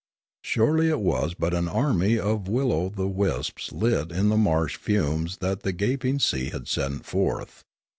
Surely it was but an army of will o' the wisps lit in the marsh fumes that the gaping sea had sent forth.